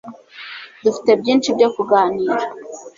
Dufite byinshi byo kuganira.